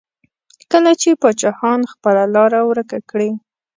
کله چې پاچاهان خپله لاره ورکه کړي.